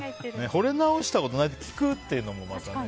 ほれ直したことない？って聞くっていうのも、またね。